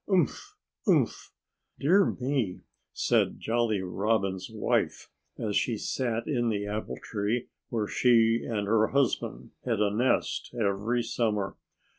"Umph! Umph!" "Dear me!" said Jolly Robin's wife as she sat in the apple tree where she and her husband had a nest every summer.